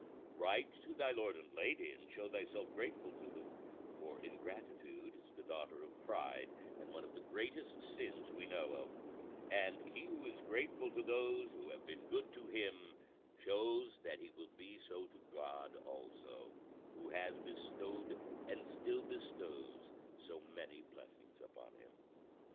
Write to thy lord and lady, and show thyself grateful to them: for ingratitude is the daughter of pride, and one of the greatest sins we know of; and he who is grateful to those who have been good to him shows that he will be so to God also, who has bestowed and still bestows so many blessings upon him.